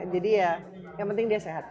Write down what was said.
jadi ya yang penting dia sehat